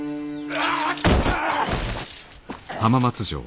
あっ！